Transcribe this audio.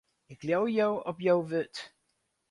Ik leau jo op jo wurd.